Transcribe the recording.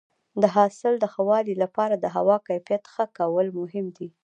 د حاصل د ښه والي لپاره د هوا کیفیت ښه کول مهم دي.